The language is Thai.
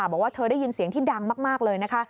บอกว่าเธอได้ยินเสียงที่ดังมากเลยนะคะ